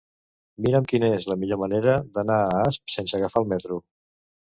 Mira'm quina és la millor manera d'anar a Asp sense agafar el metro.